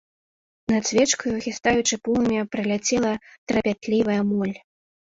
Над свечкаю, хістаючы полымя, праляцела трапятлівая моль.